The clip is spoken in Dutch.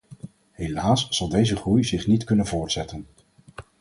Helaas zal deze groei zich niet kunnen voortzetten.